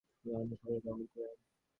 তিনি অনেকগুলো শহর দখল করেন।